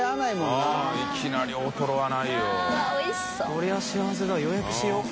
これは幸せだ予約しよう。